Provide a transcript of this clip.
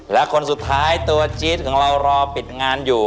และคนสุดท้ายตัวจี๊ดของเรารอปิดงานอยู่